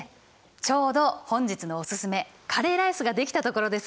ちょうど本日のオススメカレーライスが出来たところです。